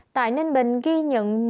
tại ninh bình ghi nhận